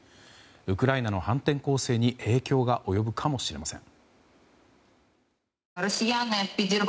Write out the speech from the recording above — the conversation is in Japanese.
ウクライナの反転攻勢に影響が及ぶかもしれません。